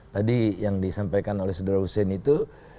tadi yang disampaikan oleh saudara hussein itu